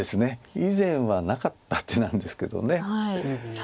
以前はなかった手なんですけど。